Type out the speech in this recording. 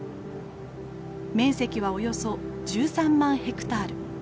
面積はおよそ１３万ヘクタール。